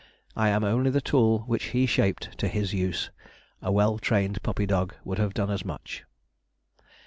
I am only the tool which he shaped to his use—a well trained puppy dog would have done as much."